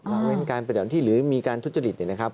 หรือเป็นการปฏิบัติหน้าที่หรือมีการทุจริตนะครับ